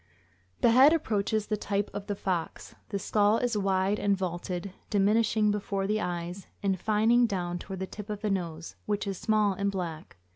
The head approaches the type of the fox. The skull is wide and vaulted, diminishing before the eyes, and fining down toward the tip of the nose, which is small and black.